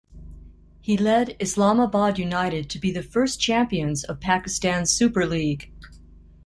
He led Islamabad United to be the first champions of Pakistan Super League.